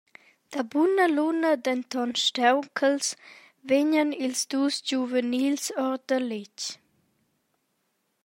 Da buna luna, denton staunchels, vegnan ils dus giuvenils ord letg.